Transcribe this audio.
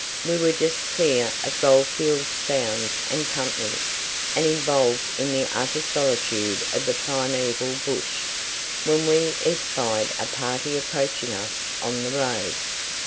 We were just clear of goldfields sounds and company, and involved in the utter solitude of the primeval bush, when we espied a party approaching us on the road.